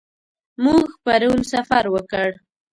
موږ پرون سفر وکړ.